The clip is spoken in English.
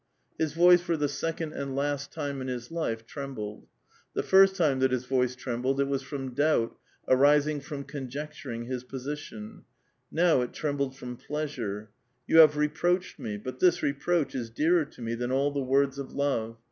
Eis voice for tbe second and last time in bis life trembled. "Xhe first time tbat bis voice trembled it was from doubt arising from conjecturing bis position ; now it trembled from pleasure. "You bave reproached me, but this reproach is clearer to me than all tbe words of love.